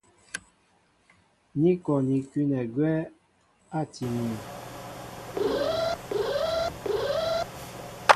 Ni kɔ ní kʉ́nɛ agwɛ́ átii myéŋ.